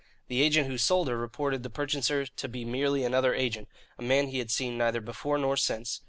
The agent who sold her reported the purchaser to be merely another agent, a man he had seen neither before nor since.